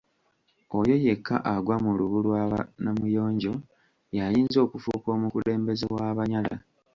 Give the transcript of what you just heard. Oyo yekka agwa mu lubu lwa ba Namuyonjo y’ayinza okufuuka omukulembeze w’Abanyala.